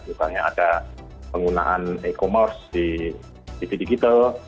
misalnya ada penggunaan e commerce di tv digital